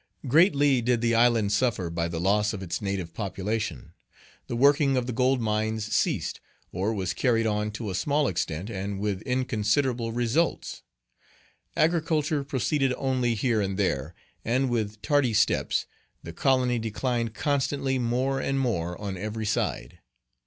Greatly did the island suffer by the loss of its native population; the working of the gold mines ceased, or was carried on to a small extent, and with inconsiderable results; agriculture proceeded only here and there, and with tardy steps; the colony declined constantly more and more on every side.